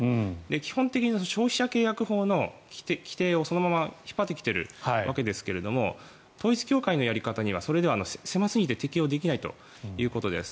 基本的に消費者契約法の規定をそのまま引っ張ってきているわけですが統一教会のやり方にはそれでは狭すぎて適用できないということです。